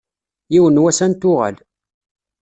Yiwen n wass ad n-tuɣal.